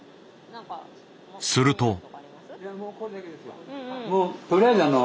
すると。